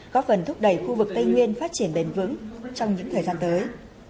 góp phần thúc đẩy khu vực tây nguyên phát triển bền vững trong những thời gian tới